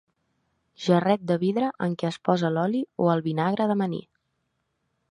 Gerret de vidre en què es posa l'oli o el vinagre d'amanir.